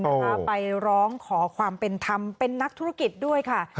นะคะไปร้องขอความเป็นธรรมเป็นนักธุรกิจด้วยค่ะ